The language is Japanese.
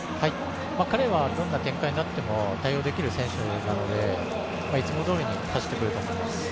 彼はどんな結果になっても対応できる選手なので、いつもどおり走ってくると思います。